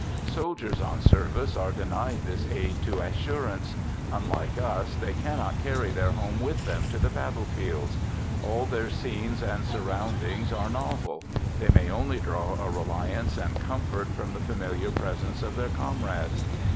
Soldiers on service are denied this aid to assurance. Unlike us, they cannot carry their home with them to the battlefields. All their scenes and surroundings are novel; they may only draw a reliance and comfort from the familiar presence of their comrades.